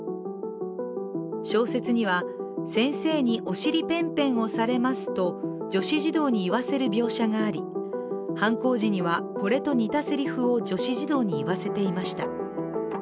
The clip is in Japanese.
小説には、先生におしりペンペンをされますと女子児童に言わせる描写があり犯行時には、これと似たセリフを女子児童に言わせていました。